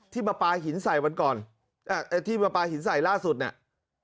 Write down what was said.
ที่มาปาหินใสวันก่อนที่มาปาหินใสล่าสุดนี้